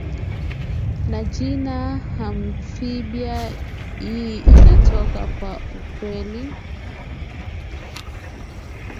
jina la amphibian hii inatoka kwa ukweli